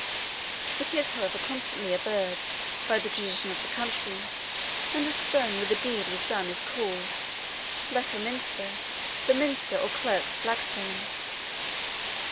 It is, however, constantly averred by the tradition of the country, and a stone where the deed was done is called Leck a Mhinisteir, the Minister or Clerk's Flagstone.